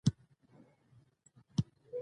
موږ باید قانون ته ژمن پاتې شو